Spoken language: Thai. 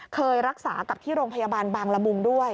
เคยรักษากับที่โรงพยาบาลบางละมุงด้วย